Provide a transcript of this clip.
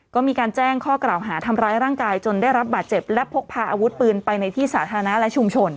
ก็มีการแจ้งข้อกล่าวหาทำร้ายร่างกายจนได้รับบาดเจ็บและพกพาอาวุธปืนไปในที่สาธารณะและชุมชน